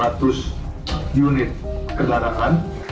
sembilan ratus unit kelanakan